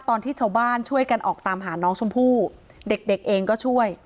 ตอนที่ชาวบ้านช่วยกันออกตามหาน้องชมพู่เด็กเด็กเองก็ช่วย